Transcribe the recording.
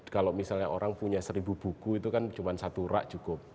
kalau misalnya orang punya seribu buku itu kan cuma satu rak cukup